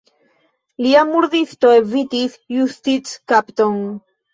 Lia murdisto evitis justickapton.